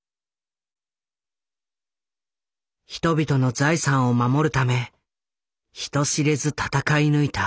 人々の財産を守るため人知れず闘い抜いた。